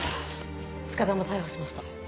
塚田も逮捕しました。